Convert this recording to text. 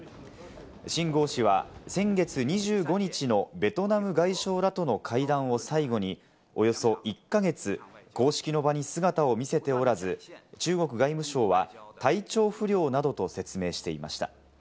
シン・ゴウ氏は先月２５日のベトナム外相らとの会談を最後におよそ１か月、公式の場に姿を見せておらず、中国外務省は体調不良などと説明していました。